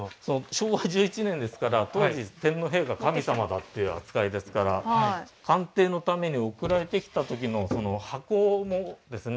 昭和１１年ですから当時天皇陛下は神様だっていう扱いですから鑑定のために送られてきた時の箱もですね